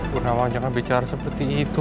bu nawang iku masalahnya prissa kan